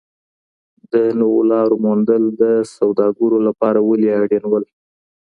د نویو لارو موندل د سوداګرو لپاره ولې اړین وو؟